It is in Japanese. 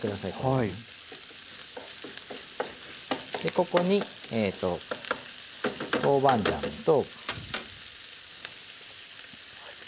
ここに豆板醤と。